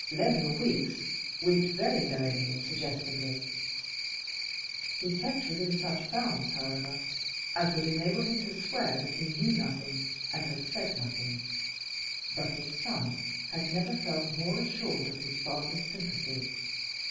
Lemuel Weeks winked very knowingly and suggestively. He kept within such bounds, however, as would enable him to swear that he knew nothing and had said nothing, but his son had never felt more assured of his father's sympathy.